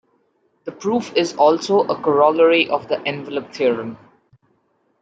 The proof is also a corollary of the envelope theorem.